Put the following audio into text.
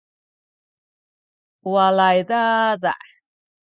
u walay dada’